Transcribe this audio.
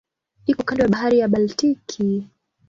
Iko kando ya Bahari ya Baltiki.